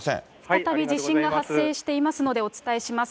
再び地震が発生していますので、お伝えします。